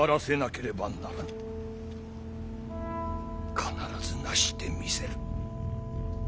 必ず成してみせる。